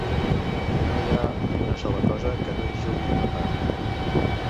I no hi ha ni una sola cosa que no hi jugui una part.